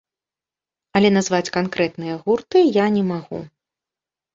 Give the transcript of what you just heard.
Але назваць канкрэтныя гурты я не магу.